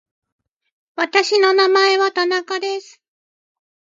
私の名前は田中です。